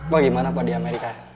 bagaimana apa di amerika